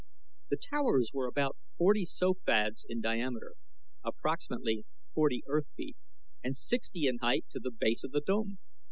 The towers were about forty sofads in diameter, approximately forty earth feet, and sixty in height to the base of the dome.